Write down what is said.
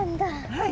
はい。